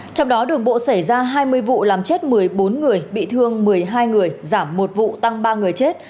trong đó đường bộ xảy ra hai mươi vụ làm chết một mươi bốn người bị thương một mươi hai người giảm một vụ tăng ba người chết